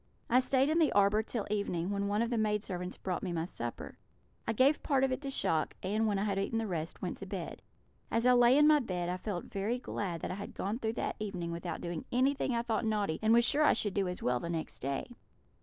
I stayed in the arbour till evening, when one of the maid servants brought me my supper. I gave part of it to Shock, and, when I had eaten the rest, went to bed. As I lay in my bed I felt very glad that I had gone through that evening without doing anything I thought naughty, and was sure I should do as well the next day.